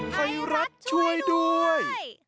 ไทยรัฐช่วยด้วย